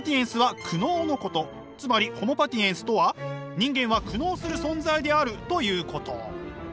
つまりホモ・パティエンスとは人間は苦悩する存在であるということ。